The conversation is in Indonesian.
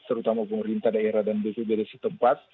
terutama pemerintah daerah dan bpu di setempat